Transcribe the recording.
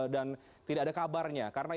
dan tidak ada kabarnya